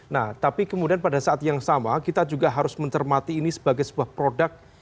nah tapi kemudian pada saat yang sama kita juga harus mencermati ini sebagai sebuah produk